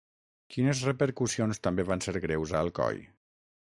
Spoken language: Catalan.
Quines repercussions també van ser greus a Alcoi?